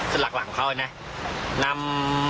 ซึ่งหลักหลังของเขาน่ะ